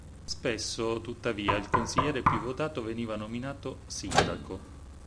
Spesso tuttavia il consigliere più votato veniva nominato sindaco.